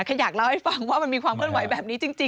แค่อยากเล่าให้ฟังว่ามันมีความเคลื่อนไหวแบบนี้จริง